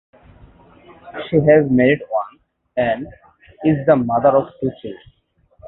She has married once and is the mother of two children.